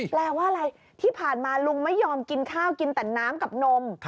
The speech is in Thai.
แปลว่าอะไรที่ผ่านมาลุงไม่ยอมกินข้าวกินแต่น้ำกับนม